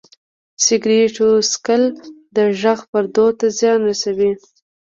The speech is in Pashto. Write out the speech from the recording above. سګرټو څښل د غږ پردو ته زیان رسوي.